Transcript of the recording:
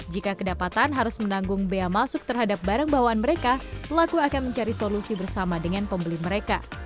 jika kedapatan harus menanggung bea masuk terhadap barang bawaan mereka pelaku akan mencari solusi bersama dengan pembeli mereka